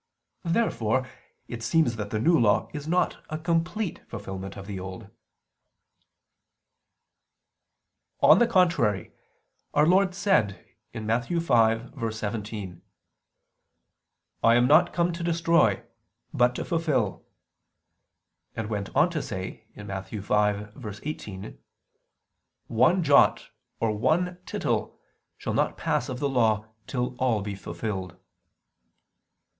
Therefore it seems that the New Law is not a complete fulfilment of the Old. On the contrary, Our Lord said (Matt. 5:17): "I am not come to destroy, but to fulfil": and went on to say (Matt. 5:18): "One jot or one tittle shall not pass of the Law till all be fulfilled."